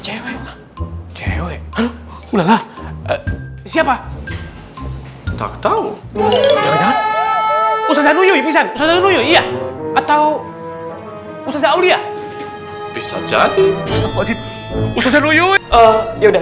cewek cewek siapa tak tahu usaha nyuyui pingsan atau usaha aulia bisa cat usaha nyuyui ya udah